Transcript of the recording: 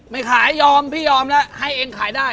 ไม่ขายยอมพี่ยอมแล้วให้เองขายได้